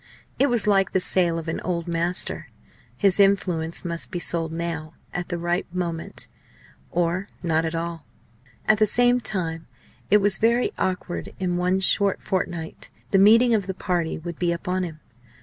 It was like the sale of an "old master." His influence must be sold now at the ripe moment or not at all. At the same time it was very awkward. In one short fortnight the meeting of the party would be upon him.